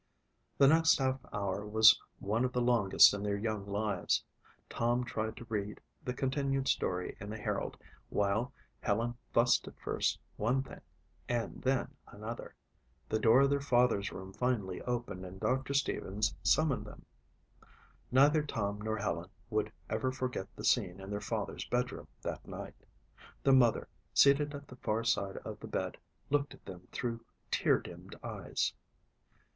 The next half hour was one of the longest in their young lives. Tom tried to read the continued story in the Herald, while Helen fussed at first one thing and then another. The door of their father's room finally opened and Doctor Stevens summoned them. Neither Tom nor Helen would ever forget the scene in their father's bedroom that night. Their mother, seated at the far side of the bed, looked at them through tear dimmed eyes.